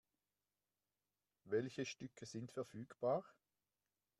Welche Stücke sind verfügbar?